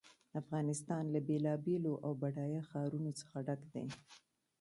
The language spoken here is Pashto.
افغانستان له بېلابېلو او بډایه ښارونو څخه ډک دی.